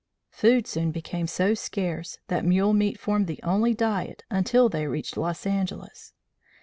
Food soon became so scarce that mule meat formed the only diet until they reached Los Angeles.